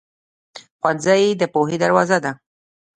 ښوونځی د پوهې دروازه ده.